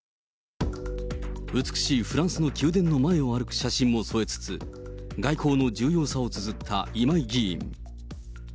美しいフランスの宮殿の前を歩く写真も添えつつ、外交の重要さをつづった今井議員。